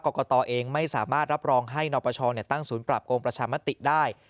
กรกฎาเองไม่สามารถรับรองให้นอปชาวเนี่ยตั้งศูนย์ปราบโครงประชามาติได้